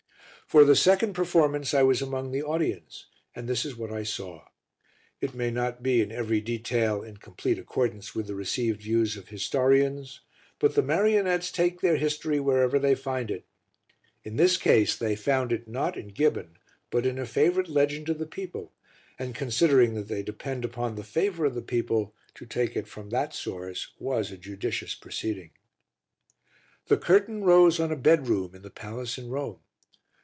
For the second performance I was among the audience, and this is what I saw. It may not be in every detail in complete accordance with the received views of historians, but the marionettes take their history wherever they find it. In this case they found it not in Gibbon but in a favourite legend of the people, and, considering that they depend upon the favour of the people, to take it from that source was a judicious proceeding. The curtain rose on a bedroom in the palace in Rome.